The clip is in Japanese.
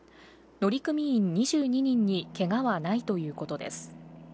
乗組員２２人にけがはないということです。